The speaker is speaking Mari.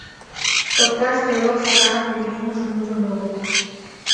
Токтар стрелок Сакарын луй лӱмыжым ужын огыл.